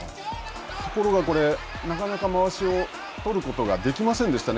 ところが、これ、なかなかまわしを取ることができませんでしたね。